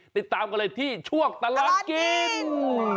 ติดตามกันเลยที่ช่วงตลอดกิน